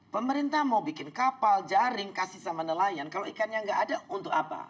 pemerintah mau bikin kapal jaring kasih sama nelayan kalau ikannya nggak ada untuk apa